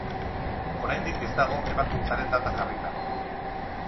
Oraindik ez dago ebakuntzaren data jarrita.